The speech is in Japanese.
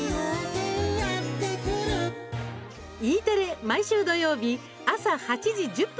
Ｅテレ毎週土曜日朝８時１０分